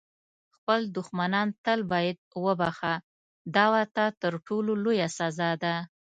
خپل دښمنان تل باید وبخښه، دا ورته تر ټولو لویه سزا ده.